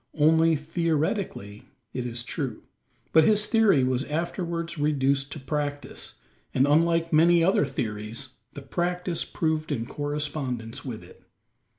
Only theoretically, it is true; but his theory was afterwards reduced to practice; and, unlike many other theories, the practice proved in correspondence with it.